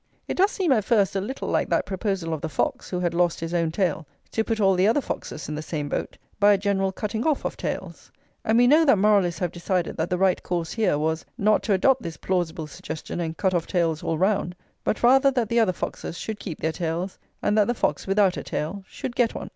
It does seem at first a little like that proposal of the fox, who had lost his own tail, to put all the other foxes in the same boat by a general cutting off of tails; and we know that moralists have decided that the right course here was, not to adopt this plausible suggestion, and cut off tails all round, but rather that the other foxes should keep their tails, and that the fox without a tail should get one.